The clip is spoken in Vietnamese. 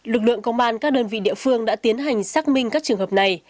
lực lượng công an các đơn vị địa phương đã tiến hành xác minh các trường hợp này